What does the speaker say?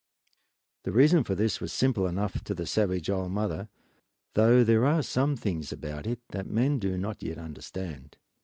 The reason for this was simple enough to the savage old mother, though there are some things about it that men do not yet understand.